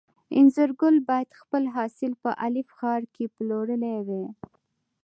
انځرګل باید خپل حاصل په الف ښار کې پلورلی وای.